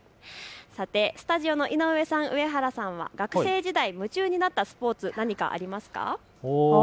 さて、スタジオの井上さん、上原さんは学生時代、夢中になったスポーツ、何かありますか。